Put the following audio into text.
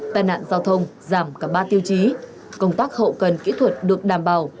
tài nạn giao thông giảm cả ba tiêu chí công tác hậu cần kỹ thuật được đảm bảo